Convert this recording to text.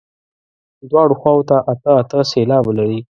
دواړو خواوو ته اته اته سېلابه لري.